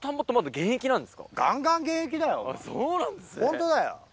ホントだよ。